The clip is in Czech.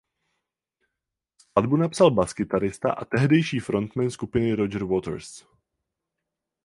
Skladbu napsal baskytarista a tehdejší frontman skupiny Roger Waters.